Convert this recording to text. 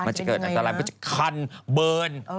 มันจะเคิดอัศรรย์มันจะคันเบิร์น